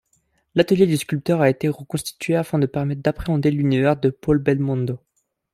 L'atelier du sculpteur a été reconstitué afin de permettre d'appréhender l'univers de Paul Belmondo.